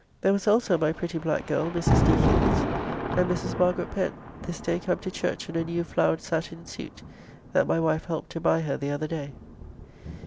There was also my pretty black girl, Mrs. Dekins, and Mrs. Margaret Pen, this day come to church in a new flowered satin suit that my wife helped to buy her the other day.